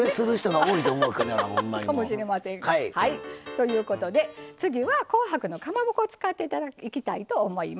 ということで次は紅白のかまぼこ使っていきたいと思います。